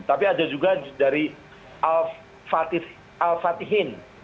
tapi ada juga dari al fatihin